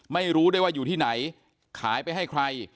ไม่รู้ได้ว่าอยู่ที่ไหนขายไปให้ใคร